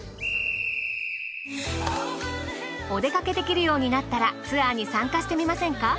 お出掛けできるようになったらツアーに参加してみませんか？